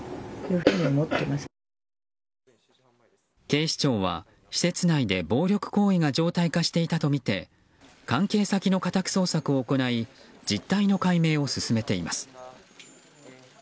警視庁は施設内で暴力行為が常態化していたとみて関係先の家宅捜索を行い実態の解明を進めています。